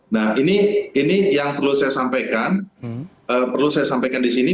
nah ini yang perlu saya sampaikan perlu saya sampaikan di sini